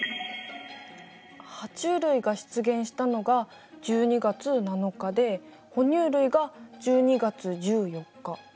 ハチュウ類が出現したのが１２月７日で哺乳類が１２月１４日。